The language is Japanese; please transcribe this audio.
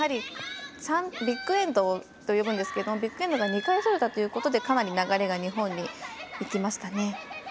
ビッグエンドと呼ぶんですがビッグエンドが２回あったということでかなり流れが日本に行きました。